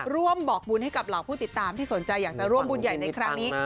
บอกบุญให้กับเหล่าผู้ติดตามที่สนใจอยากจะร่วมบุญใหญ่ในครั้งนี้